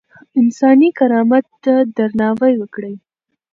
انساني کرامت ته درناوی وکړئ.